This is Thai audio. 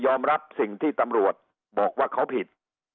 รับสิ่งที่ตำรวจบอกว่าเขาผิด